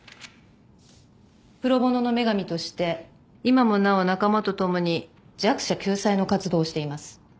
プロボノの女神として今もなお仲間と共に弱者救済の活動をしています。